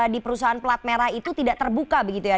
di perusahaan pelat merah itu tidak terbuka begitu ya